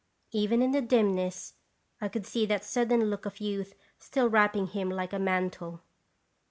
Even in the dimness I could see that sudden look of youth still wrapping him like a mantle.